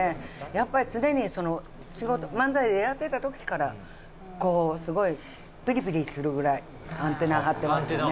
やっぱり常に仕事漫才やってた時からこうすごいピリピリするぐらいアンテナ張ってましたね。